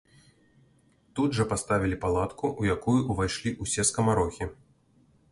Тут жа паставілі палатку, у якую ўвайшлі ўсе скамарохі.